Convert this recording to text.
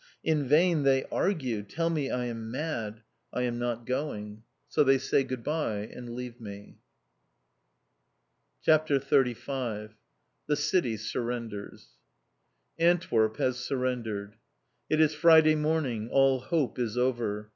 In vain they argue, tell me I am mad. I am not going. So they say good bye and leave me. CHAPTER XXXV THE CITY SURRENDERS Antwerp has surrendered! It is Friday morning. All hope is over.